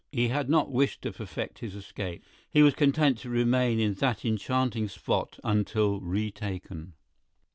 He had not wish to perfect his escape—he was content to remain in that enchanting spot until retaken.